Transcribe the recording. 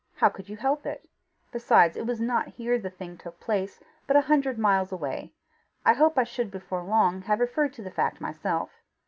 How could you help it? Besides, it was not here the thing took place, but a hundred miles away. I hope I should before long have referred to the fact myself.